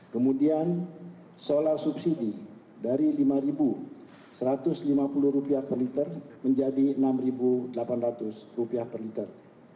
kemudian solar subsidi dari rp lima satu ratus lima puluh per liter menjadi rp enam delapan ratus per liter